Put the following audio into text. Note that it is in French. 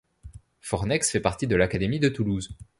Fornex fait partie de l'académie de Toulouse.